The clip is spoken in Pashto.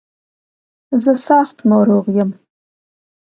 زه سخت ناروغ يم.